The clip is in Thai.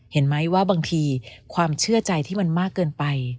เห็นไหมว่าบางทีความเชื่อใจที่มันมากเกินไป